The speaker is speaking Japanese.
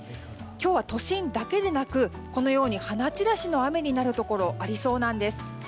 今日は都心だけでなくこのように花散らしの雨になるところがありそうです。